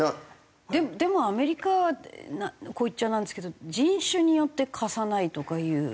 でもアメリカこう言っちゃなんですけど人種によって貸さないとかいう。